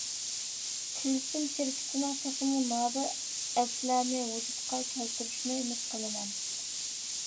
تىلسىم شىركىتىنىڭ تېخىمۇ نادىر ئەپلەرنى ۋۇجۇدقا كەلتۈرۈشىنى ئۈمىد قىلىمەن.